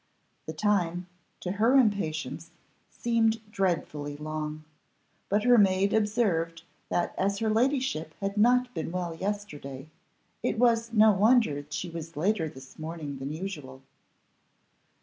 The time, to her impatience, seemed dreadfully long. But her maid observed, that as her ladyship had not been well yesterday, it was no wonder she was later this morning than usual.